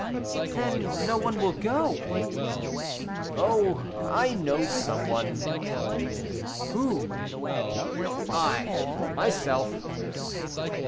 "Then no one will go." "Oh! I know some one." "Who?" "I, myself."